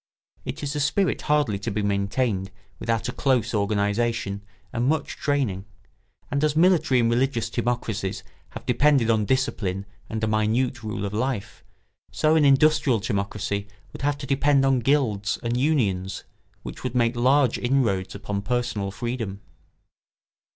It is a spirit hardly to be maintained without a close organisation and much training; and as military and religious timocracies have depended on discipline and a minute rule of life, so an industrial timocracy would have to depend on guilds and unions, which would make large inroads upon personal freedom.